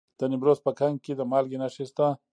د نیمروز په کنگ کې د مالګې نښې شته.